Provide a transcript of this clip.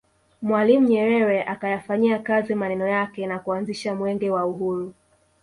Mwalimu Nyerere akayafanyia kazi maneno yake na kuanzisha Mwenge wa Uhuru